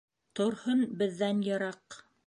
Торһон беҙҙән йыраҡ